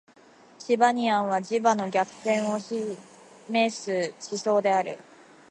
チバニアンは磁場の逆転を示す地層である